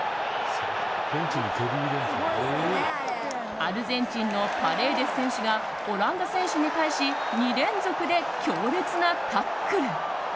アルゼンチンのパレーデス選手がオランダ選手に対し２連続で強烈なタックル。